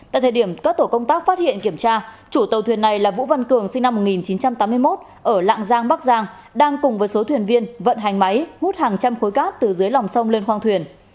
tại thời điểm các tổ công tác phát hiện kiểm tra chủ tàu thuyền này là vũ văn cường sinh năm một nghìn chín trăm tám mươi một ở lạng giang bắc giang đang cùng với số thuyền viên vận hành máy hút hàng trăm khối cát từ dưới lòng sông lên khoang thuyền